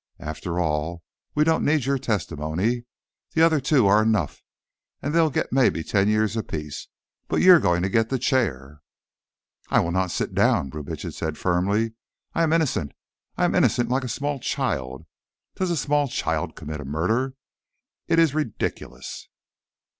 After all, we don't need your testimony. The other two are enough; they'll get maybe ten years apiece, but you're going to get the chair." "I will not sit down," Brubitsch said firmly. "I am innocent. I am innocent like a small child. Does a small child commit a murder? It is ridiculous."